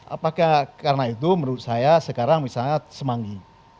apakah karena itu menurut saya sekarang misalnya semanggi